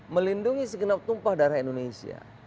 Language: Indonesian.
melindungi segenap tumpah darah indonesia